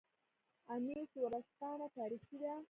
انیس ورځپاڼه تاریخي ده